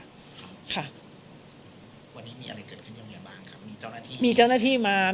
วันนี้มีอะไรเกิดขึ้นอย่างเงียบบ้างค่ะ